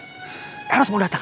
kenapa eros mau datang